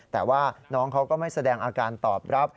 แต่ว่าน้องเขาก็ไม่แสดงอาการตอบรับ